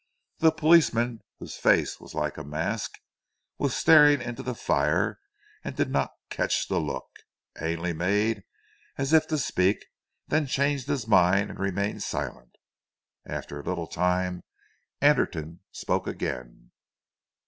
The policeman, whose face was like a mask, was staring into the fire, and did not catch the look. Ainley made as if to speak, then changed his mind and remained silent. After a little time Anderton spoke again.